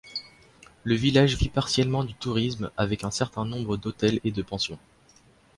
Le village vit partiellement du tourisme, avec un certain nombre d'hôtels et de pensions.